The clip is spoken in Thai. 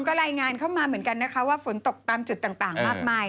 ก็รายงานเข้ามาเหมือนกันนะคะว่าฝนตกตามจุดต่างมากมาย